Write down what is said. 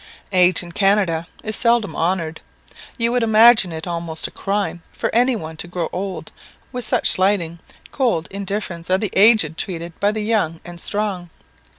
Age in Canada is seldom honoured. You would imagine it almost a crime for any one to grow old with such slighting, cold indifference are the aged treated by the young and strong.